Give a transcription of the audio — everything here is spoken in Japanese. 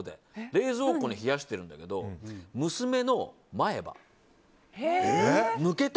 冷蔵庫で冷やしてるんだけど娘の前歯。